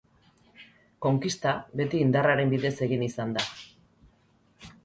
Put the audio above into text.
Konkista beti indarraren bidez egin izan da.